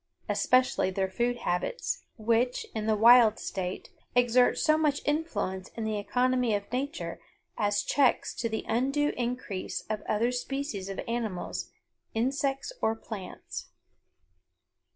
Especially their food habits, which, in the wild state, exert so much influence in the economy of nature as checks to the undue increase of other species of animals, insects, or plants.